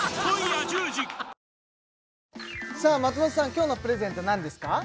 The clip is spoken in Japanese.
今日のプレゼント何ですか？